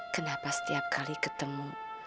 kenapa setiap kali ketemu